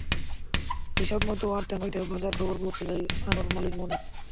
হিসাব মতো আটটা, নয়টা বাজার খবর পৌঁছে যায় আনর আলীর মনে।